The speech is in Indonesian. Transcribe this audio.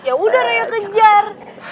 yaudah raya kejar